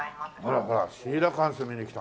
ほらほらシーラカンス見に来たんだ。